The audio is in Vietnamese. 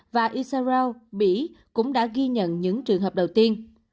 và isarau mỹ cũng đã ghi nhận những trường hợp đầu tiên